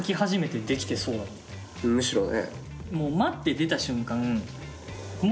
むしろね。